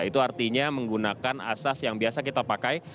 itu artinya menggunakan asas yang biasa kita pakai